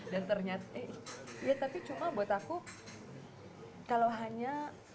dan ternyata eh ya tapi cuma buat aku kalau hanya